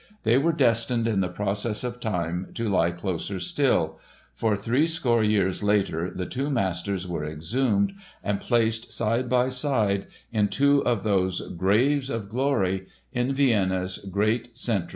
They were destined in the process of time to lie closer still. For three score years later the two masters were exhumed and placed side by side in two of those "graves of glory" in Vienna's great Central Cemetery.